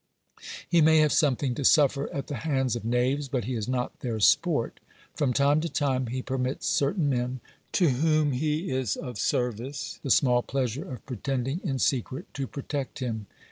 He may have something to suffer at the hands of knaves, but he is not their sport. From time to time he permits certain men, to whom he is of service, the small pleasure of pretending in secret to protect him.